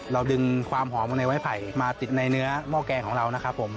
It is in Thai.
ดึงความหอมในไม้ไผ่มาติดในเนื้อหม้อแกงของเรานะครับผม